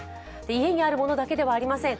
家にあるものだけではありません。